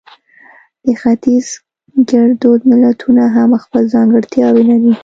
د ختیز ګړدود متلونه هم خپل ځانګړتیاوې لري